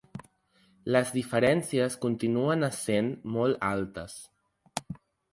Les diferències continuen essent molt altes.